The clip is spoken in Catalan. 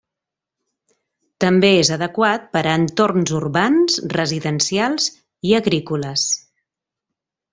També és adequat per a entorns urbans, residencials i agrícoles.